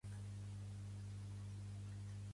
Vull canviar el francès a català.